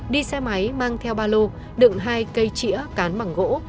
đi xe máy mang theo ba lô đựng hai cây chĩa cán bằng gỗ